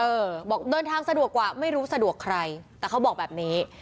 เออบอกเดินทางสะดวกกว่าไม่รู้สะดวกใครแต่เขาบอกแบบนี้